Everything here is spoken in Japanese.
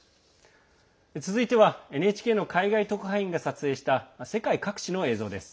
続いてはＮＨＫの海外特派員が撮影した世界各地の映像です。